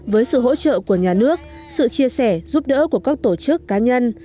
với sự hỗ trợ của nhà nước sự chia sẻ giúp đỡ của các tổ chức cá nhân